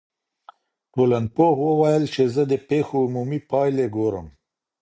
ټولنپوه وویل چي زه د پیښو عمومي پایلي ګورم.